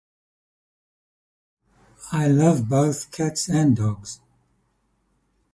I love both cats and dogs.